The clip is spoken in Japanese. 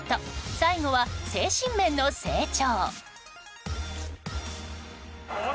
最後は、精神面の成長。